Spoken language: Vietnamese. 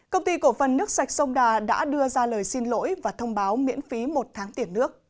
công ty cổ phần nước sạch sông đà đã đưa ra lời xin lỗi và thông báo miễn phí một tháng tiền nước